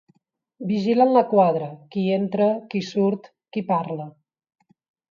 Vigilen la quadra, qui entra, qui surt, qui parla.